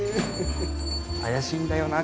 怪しいんだよなぁ。